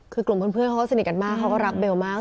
คือกลุ่มเพื่อนเขาก็สนิทกันมากเขาก็รักเบลมาก